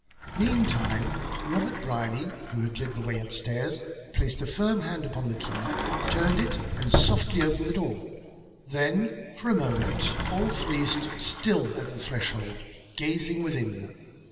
Meantime Robert Brierly, who had led the way upstairs, placed a firm hand upon the key, turned it and softly opened the door. Then, for a moment, all three stood still at the threshold, gazing within.